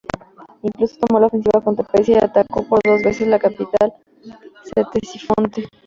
Incluso tomó la ofensiva contra Persia y atacó por dos veces la capital Ctesifonte.